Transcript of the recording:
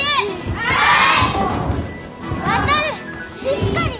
はい。